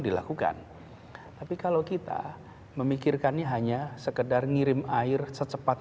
namun anda berkomunikasi dengan sudah